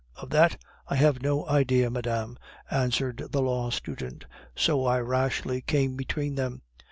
"Of that I had no idea, madame," answered the law student, "so I rashly came between them.